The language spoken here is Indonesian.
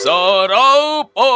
kau tahu apa